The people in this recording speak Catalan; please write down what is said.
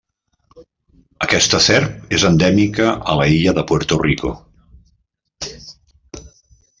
Aquesta serp és endèmica a l'illa de Puerto Rico.